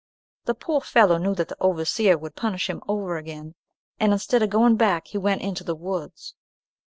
The poor fellow knew that the overseer would punish him over again, and instead of going back he went into the woods."